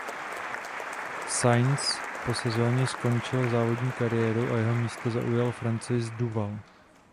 Sainz po sezoně skončil závodní kariéru a jeho místo zaujal Francois Duval.